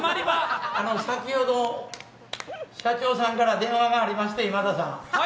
先ほど、社長さんから電話がありまして、今田さん。